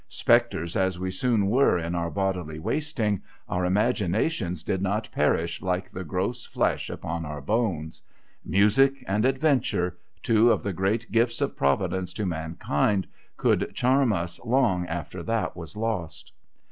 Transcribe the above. Spectres as we soon were in our bodily wasting, our imaginations did not perish like the gross flesh upon our bones. Music and Adventure, two of the great gifts of Providence to man kind, could charm us long after that was lost.